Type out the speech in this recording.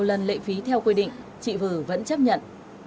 một lần lệ phí theo quy định chị vư vẫn chấp nhận